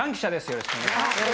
よろしくお願いします。